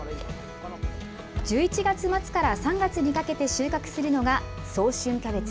１１月末から３月にかけて収穫するのが早春キャベツ。